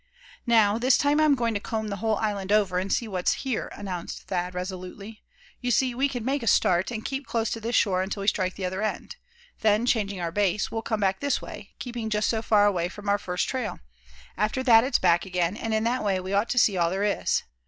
"Now, this time I'm going to comb the whole island over, and see what's here," announced Thad, resolutely. "You see, we can make a start, and keep close to this shore until we strike the other end. Then changing our base, we'll come back this way, keeping just so far away from our first trail. After that, it's back again; and in that way we ought to see all there is."